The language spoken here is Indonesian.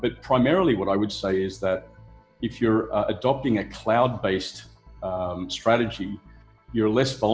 tapi secara khusus apa yang saya katakan adalah jika anda menggunakan strategi berdasarkan cloud